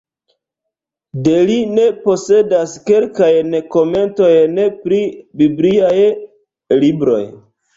De li ni posedas kelkajn komentojn pri bibliaj libroj.